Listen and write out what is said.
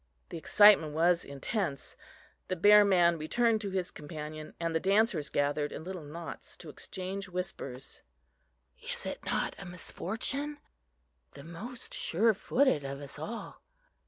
The excitement was intense. The bear man returned to his companion, and the dancers gathered in little knots to exchange whispers. "Is it not a misfortune?" "The most surefooted of us all!"